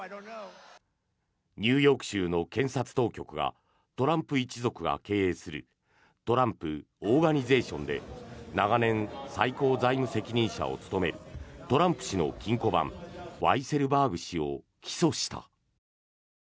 ニューヨーク州の検察当局がトランプ一族が経営するトランプ・オーガニゼーションで長年、最高財務責任者を務めるトランプ氏の金庫番ワイセルバーグ氏を起訴した。